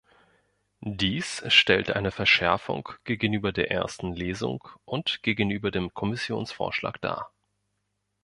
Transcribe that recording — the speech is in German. Dies stellt eine Verschärfung gegenüber der ersten Lesung und gegenüber dem Kommissionsvorschlag dar.